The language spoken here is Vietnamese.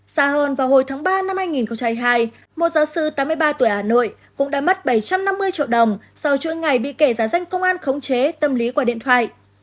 xa hơn vào hồi tháng ba năm hai nghìn hai mươi hai một giáo sư tám mươi ba tuổi hà nội cũng đã mất bảy trăm năm mươi triệu đồng sau chuỗi ngày bị kẻ giả danh công an khống chế tâm lý qua điện thoại